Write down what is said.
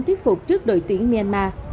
tuyết phục trước đội tuyển myanmar